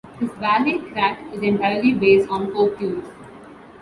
His ballet "Kratt" is entirely based on folk tunes.